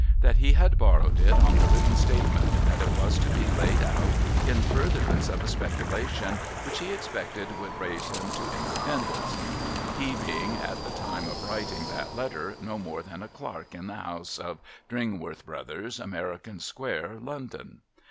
That he had borrowed it on the written statement that it was to be laid out in furtherance of a speculation which he expected would raise him to independence ; he being, at the time of writing that letter, no more than a clerk in the house of Dringworth Ikothers, America square, London.